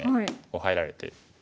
こう入られて。